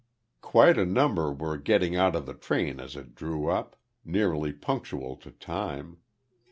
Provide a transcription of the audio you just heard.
Quite a number were getting out of the train as it drew up, nearly punctual to time.